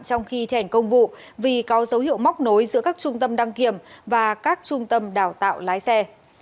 trong khi thi hành công vụ vì có dấu hiệu móc nối giữa các trung tâm đăng kiểm và các trung tâm đào tạo lái xe